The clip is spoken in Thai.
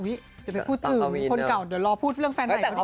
อุ้ยเดี๋ยวไปพูดถึงคนเก่าเดี๋ยวรอพูดเรื่องแฟนใหม่เขาดีกว่า